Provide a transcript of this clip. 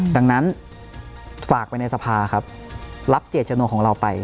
ดังนั้นฝากไปในสภาครับรับเจตจำนวนของเราไป